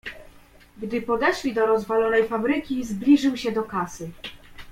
"Gdy podeszli do rozwalonej fabryki, zbliżył się do kasy."